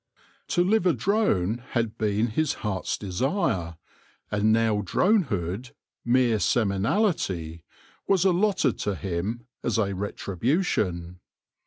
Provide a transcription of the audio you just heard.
To live a drone had been his heart's desire, and now dronehood, mere seminality, was allotted to him, as a retribution.